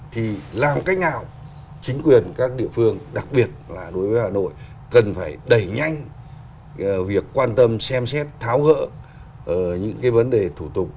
thì làm cách nào chính quyền các địa phương đặc biệt là đối với hà nội cần phải đẩy nhanh việc quan tâm xem xét tháo gỡ những cái vấn đề thủ tục